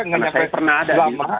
nggak sampai lama